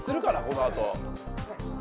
このあと。